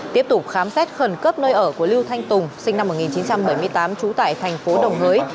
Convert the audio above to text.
tiếp tục khám xét khẩn cấp nơi ở của lưu thanh tùng sinh năm một nghìn chín trăm bảy mươi tám trú tại thành phố đồng hới